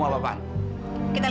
ini anakku juga